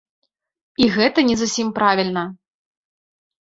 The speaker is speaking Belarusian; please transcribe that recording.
І гэта не зусім правільна.